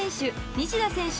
西田選手